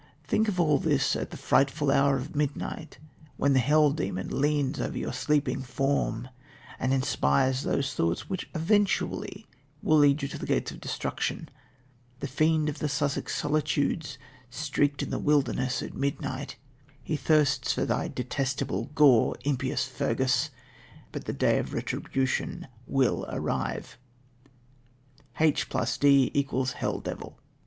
"Think of all this at the frightful hour of midnight, when the Hell demon leans over your sleeping form, and inspires those thoughts which eventually will lead you to the gates of destruction... The fiend of the Sussex solitudes shrieked in the wilderness at midnight he thirsts for thy detestable gore, impious Fergus. But the day of retribution will arrive. H + D=Hell Devil."